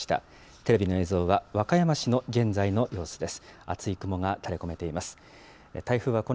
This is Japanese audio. テレビの映像は和歌山市の現在の様子です。